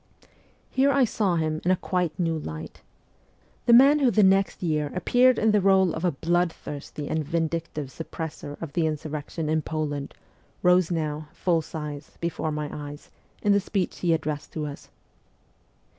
Here I saw him in a quite new light. The man who the next year appeared in the role of a blood thirsty and vindictive suppressor of the insurrection in Poland rose now, full size, before my eyes, in the speech he addressed to us.